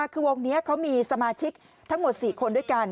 คือวงนี้เขามีสมาชิกทั้งหมด๔คนด้วยกัน